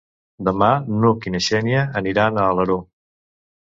Demà n'Hug i na Xènia aniran a Alaró.